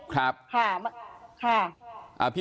ค่ะ